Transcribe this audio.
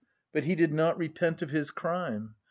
But he did not repent of his crime.